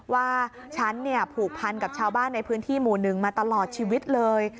ว่าฉันผูกพันกับชาวบ้านในพื้นที่หมู่๑มาตลอดชีวิตเลย